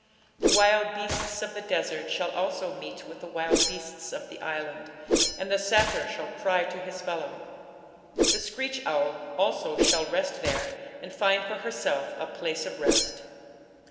The wild beasts of the desert shall also meet with the wild beasts of the island, and the satyr shall cry to his fellow: the screech owl also shall rest there, and find for herself a place of rest.